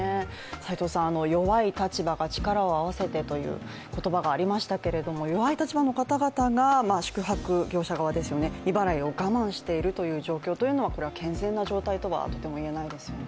弱い立場が力を合わせてという言葉がありましたけれども、弱い立場の方々が宿泊業者側ですよね、未払いを我慢しているというのはこれは健全な状態とはいえないですね。